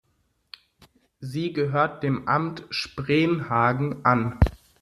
Sie gehört dem Amt Spreenhagen an.